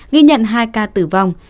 ghi nhận hai ca tử vong